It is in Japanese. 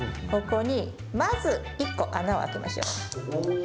ここにまず１個穴を開けましょう。